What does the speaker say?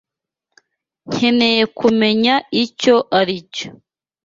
Nkeneye kumenya icyo aricyo.